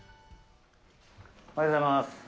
おはようございます。